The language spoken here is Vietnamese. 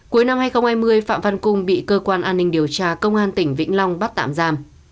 cuối năm hai nghìn hai mươi phạm văn cung bị cơ quan an ninh điều tra công an tỉnh vĩnh long bắt tạm giam